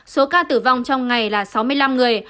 số ca tử vong trong ngày là sáu mươi năm người